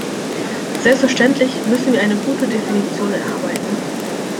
Selbstverständlich müssen wir eine gute Definition erarbeiten.